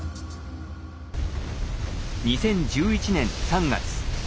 ２０１１年３月。